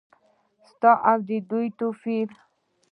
ستا او د دوی توپیر ؟